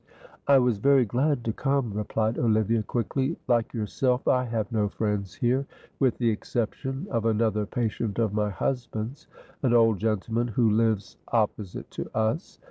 "I was very glad to come," replied Olivia, quickly. "Like yourself, I have no friends here, with the exception of another patient of my husband's, an old gentleman who lives opposite to us.